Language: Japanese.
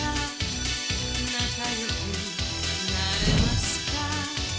「なかよくなれますか」